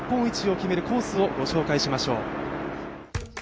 それでは日本一を決めるコースをご紹介しましょう。